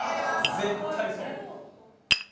絶対そう。